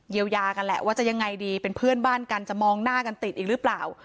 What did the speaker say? ยาวยากันแหละว่าจะยังไงดีเป็นเพื่อนบ้านกันจะมองหน้ากันติดอีกหรือเปล่า